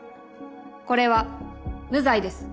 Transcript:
これは無罪です。